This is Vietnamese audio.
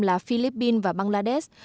là philippines và bangladesh